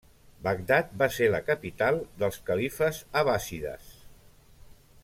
Bagdad va ser la capital dels califes abbàssides.